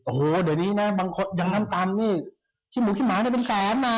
โอ้โหเดี๋ยวนี้นะบางคนยังน้ำตันที่หมูที่หมาได้เป็นแสน